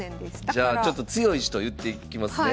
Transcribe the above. じゃあちょっと強い人言っていきますね。